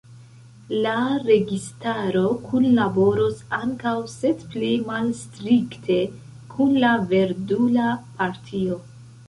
La registaro kunlaboros ankaŭ sed pli malstrikte kun la Verdula Partio.